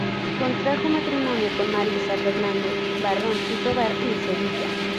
Contrajo matrimonio con Marisa Fernández- Barrón y Tovar en Sevilla.